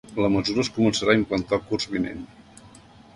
La mesura es començarà a implantar el curs vinent